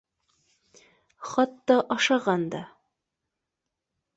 Хатта ашаған да